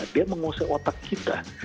dia menguasai otak kita